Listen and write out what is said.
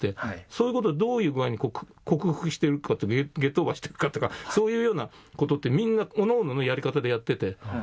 そういう事をどういう具合に克服していくかってゲットオーバーしていくかとかそういうような事ってみんなおのおののやり方でやっていて。